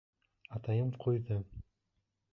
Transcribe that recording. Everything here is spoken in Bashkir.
Атайым ҡуйҙы.